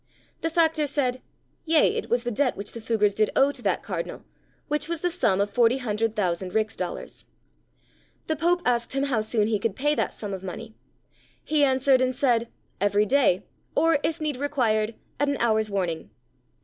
The factor said, "Yea, it was the debt which the Fuggars did owe to that Cardinal, which was the sum of forty hundred thousand rix dollars." The Pope asked him how soon he could pay that sum of money. He answered and said, "Every day, or, if need required, at an hour's warning."